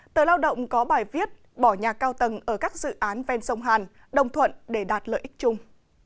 tờ lao động có bài viết bỏ nhà cao tầng ở các dự án ven sông hàn đồng thuận để đạt lợi ích chung